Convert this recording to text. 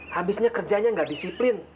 habisnya kerjanya nggak disiplin